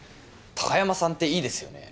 高山さんっていいですよね。